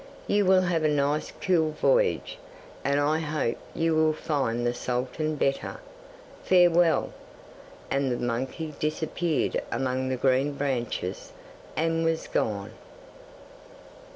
You will have a nice cool voyage, and I hope you will find the sultan better. Farewell!' And the monkey disappeared among the green branches, and was gone.